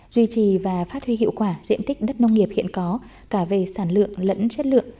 duy trì và phát huy hiệu quả diện tích đất nông nghiệp hiện có cả về sản lượng lẫn chất lượng